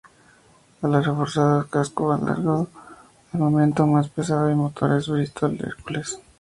Alas reforzadas, casco alargado, armamento más pesado y motores Bristol Hercules.